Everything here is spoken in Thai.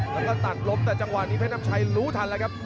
พยายามจะตัดลบแต่จังหวานนี้เพชรน้ำชายรู้ทันแล้วครับ